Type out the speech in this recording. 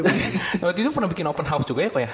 waktu itu pernah bikin open house juga ya kok ya